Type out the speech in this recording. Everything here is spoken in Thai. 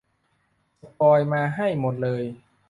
สปอยล์มาให้หมดเลย